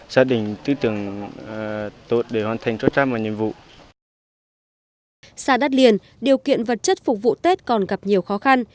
xa đất liền điều kiện vật chất phục vụ tết còn gặp nhiều khó khăn